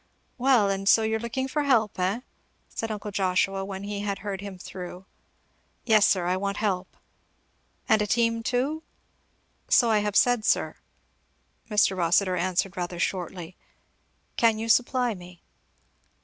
"Well, and so you're looking for help, eh?" said uncle Joshua when he had heard him through. "Yes sir, I want help." "And a team too?" "So I have said, sir," Mr. Rossitur answered rather shortly. "Can you supply me?"